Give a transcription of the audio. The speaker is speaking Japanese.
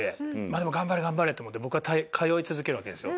でも頑張れ頑張れと思って僕は通い続けるわけですよ。